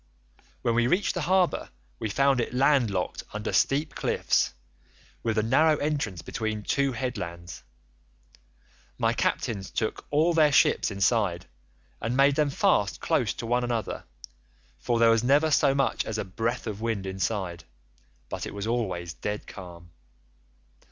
84 "When we reached the harbour we found it land locked under steep cliffs, with a narrow entrance between two headlands. My captains took all their ships inside, and made them fast close to one another, for there was never so much as a breath of wind inside, but it was always dead calm.